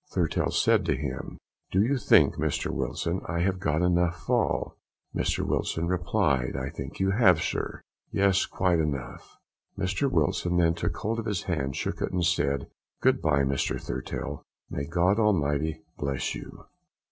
Thurtell said to him, "Do you think, Mr Wilson, I have got enough fall?" Mr Wilson replied, "I think you have, Sir. Yes, quite enough." Mr Wilson then took hold of his hand, shook it, and said, "Good bye, Mr Thurtell, may God Almighty bless you."